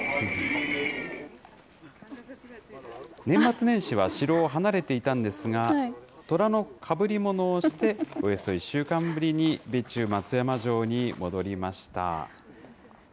年末年始は城を離れていたんですが、虎のかぶり物をしておよそ１週間ぶりに備中松山城に戻りました。